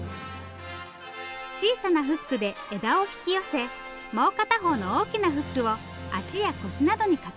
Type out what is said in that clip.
小さなフックで枝を引き寄せもう片方の大きなフックを足や腰などに掛けます。